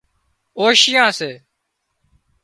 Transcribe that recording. اوشيئان سي